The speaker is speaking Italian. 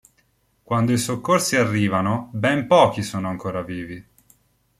Quando i soccorsi arrivano, ben pochi sono ancora vivi.